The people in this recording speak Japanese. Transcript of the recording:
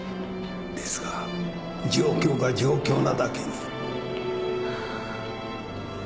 ですが状況が状況なだけに。ハァ。